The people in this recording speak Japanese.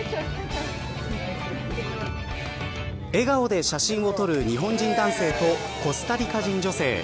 笑顔で写真を撮る日本人男性とコスタリカ人女性。